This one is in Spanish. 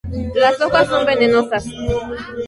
Las hojas son venosas.